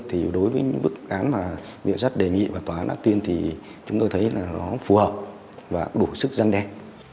thì đối với những bức án mà viện sát đề nghị và tòa án đã tuyên thì chúng tôi thấy là nó phù hợp và đủ sức răng đen